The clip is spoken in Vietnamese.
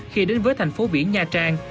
khi đến với thành phố biển nha trang